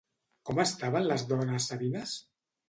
Com estaven les dones sabines?